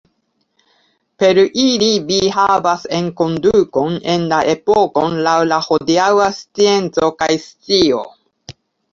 Per ili vi havas enkondukon en la epokon laŭ la hodiaŭa scienco kaj scio.